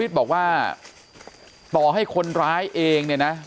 บอกว่าต่อให้คนร้ายเองเนี่ยนะ